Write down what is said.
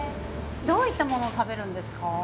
どういったものを食べるんですか？